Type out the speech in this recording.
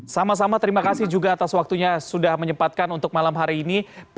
sama sama terima kasih juga atas waktunya sudah menyempatkan untuk malam hari ini